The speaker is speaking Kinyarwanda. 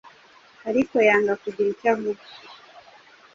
ariko yanga kugira icyo avuga